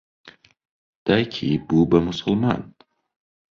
دایکی بوو بە موسڵمان.